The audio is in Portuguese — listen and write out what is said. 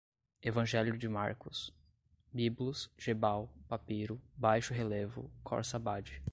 Evangelho de Marcos, Biblos, Gebal, papiro, baixo-relevo, Corsabade